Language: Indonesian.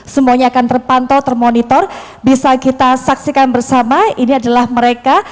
semuanya akan terpantau termonitor bisa kita saksikan bersama ini adalah mereka